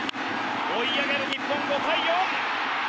追い上げる日本５対４！